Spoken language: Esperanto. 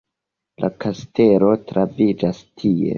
La kastelo troviĝas tie!